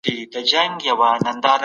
د قانون په اړه بحث څنګه کیږي؟